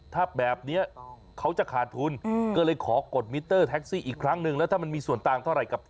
ถ้าแบบนี้เขาจะขาดทุนก็เลยขอกดมิเตอร์แท็กซี่อีกครั้งนึง